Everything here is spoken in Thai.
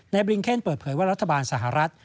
บริงเคนเปิดเผยว่ารัฐบาลสหรัฐ